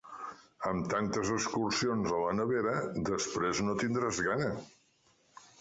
Amb tantes excursions a la nevera després no tindràs gana!